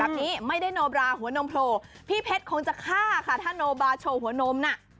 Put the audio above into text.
ไม่ได้โนบราหัวนมโผล่พี่เพชรคงจะฆ่าค่ะถ้าโนบาโชว์หัวนมน่ะ